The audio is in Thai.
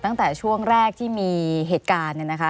ตั้งแต่ช่วงแรกที่มีเหตุการณ์